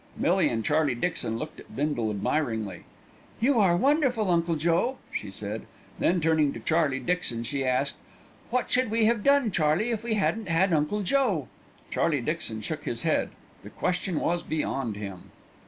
Millie and Charlie Dixon looked at Bindle admiringly. "You are wonderful, Uncle Joe!" she said. Then turning to Charlie Dixon she asked, "What should we have done, Charlie, if we hadn't had Uncle Joe?" Charlie Dixon shook his head. The question was beyond him.